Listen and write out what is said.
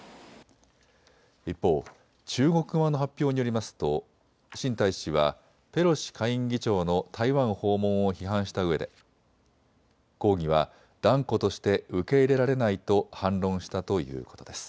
一方、中国側の発表によりますと秦大使はペロシ下院議長の台湾訪問を批判したうえで、抗議は断固として受け入れられないと反論したということです。